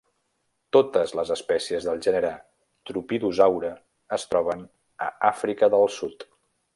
Totes les espècies del gènere "Tropidosaura" es troben a Àfrica del Sud.